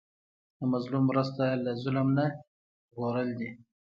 د مظلوم مرسته له ظلم نه ژغورل دي.